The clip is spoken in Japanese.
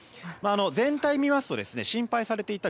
全体を見ますと心配されていた